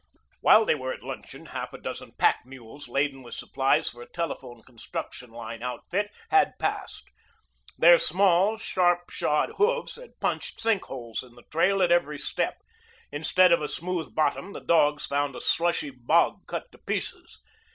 While they were at luncheon half a dozen pack mules laden with supplies for a telephone construction line outfit had passed. Their small, sharp shod hoofs had punched sink holes in the trail at every step. Instead of a smooth bottom the dogs found a slushy bog cut to pieces.